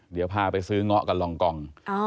เดี๋ยวพาไปซื้อเงาะกันลองกอง